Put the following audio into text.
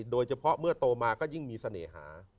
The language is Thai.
โดยเฉพาะเมื่อโตมาก็ยิ่งมีเสน่หา